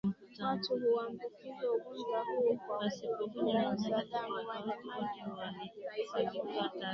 Watu huambukizwa ugonjwa huu kwa kugusa damu majimaji ya mwili na sehemu nyingine